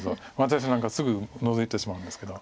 私なんかすぐノゾいてしまうんですけど。